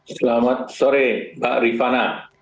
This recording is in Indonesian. selamat sore mbak rifana